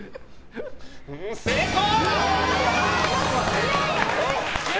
成功！